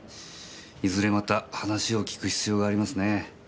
いずれまた話を聞く必要がありますね。